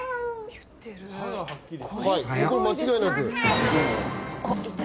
これは間違いなく。